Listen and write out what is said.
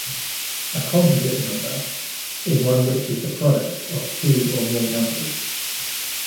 A composite number is one which is the product of two or more numbers.